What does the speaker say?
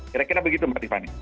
kira kira begitu mbak tiffany